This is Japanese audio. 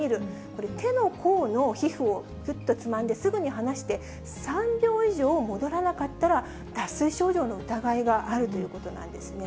これ、手の甲の皮膚をきゅっとつまんで、すぐにはなして、３秒以上戻らなかったら、脱水症状の疑いがあるということなんね。